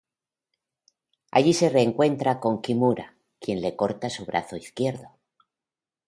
Allí se reencuentra con Kimura, quien le corta su brazo izquierdo.